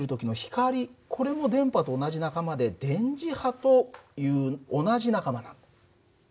これも電波と同じ仲間で電磁波という同じ仲間なんだ。